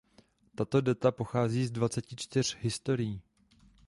Tato data pocházejí z "Dvaceti čtyř historií".